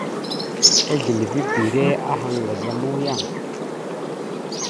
Ezlilivibire aha ŋgaz a muyaŋ a.